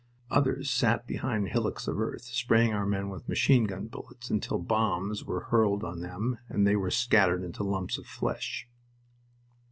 Others sat behind hillocks of earth, spraying our men with machine gun bullets until bombs were hurled on them and they were scattered into lumps of flesh.